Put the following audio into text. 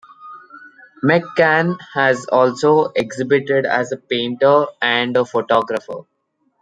McCann has also exhibited as a painter and photographer.